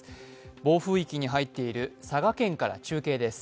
暴風域に入っている佐賀県から中継です。